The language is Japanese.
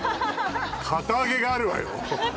堅あげがあるわよ